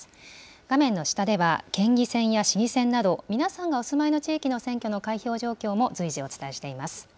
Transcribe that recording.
画面の下では、県議選や市議選など、皆さんがお住まいの地域の選挙の開票状況も随時、お伝えしています。